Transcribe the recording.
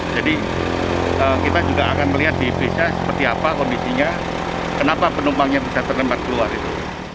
jadi kita juga akan melihat di bsa seperti apa kondisinya kenapa penumpangnya bisa terlempar keluar itu